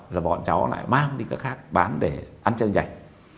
rồi bọn cháu lại mang đi các khác bán để ăn chân nhạch